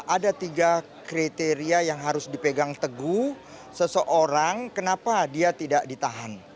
ada tiga kriteria yang harus dipegang teguh seseorang kenapa dia tidak ditahan